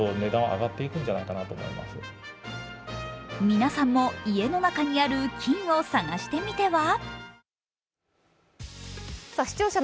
皆さんも家の中にある金を探してみては？